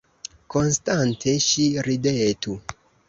Konstante ŝi ridetu!